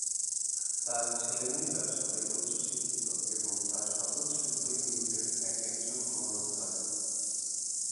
তাঁর ছেলেমেয়েরা সবাই উচ্চশিক্ষিত এবং তাঁর সকল শিল্প ইউনিটের এক একজন কর্ণধার।